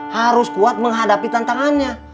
harus kuat menghadapi tantangannya